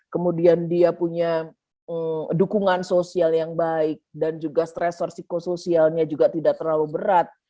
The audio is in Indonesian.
kemudian dia punya dukungan sosial yang baik dan juga stresor psikosoialnya juga tidak terlalu berat